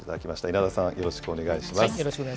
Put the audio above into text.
稲田さん、よろしくお願いします。